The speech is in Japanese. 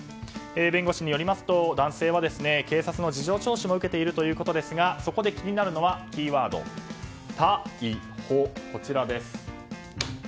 弁護士によりますと男性は警察の事情聴取を受けているということですがそこで気になるのはキーワードタイホ、こちらです。